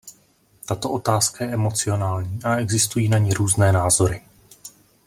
Tato otázka je emocionální a existují na ni různé názory.